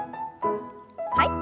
はい。